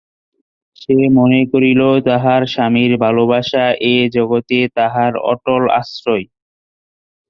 সে মনে করিল, তাহার স্বামীর ভালবাসা এ জগতে তাহার অটল আশ্রয়।